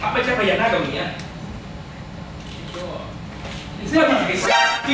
มึงชอบตัดอะไร